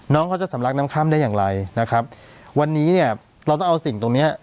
น้องเขาจะสำลักน้ำค่ำได้อย่างไรนะครับวันนี้เนี่ยเราต้องเอาสิ่งตรงเนี้ย